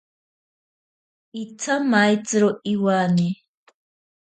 Itsamaitziro iwane.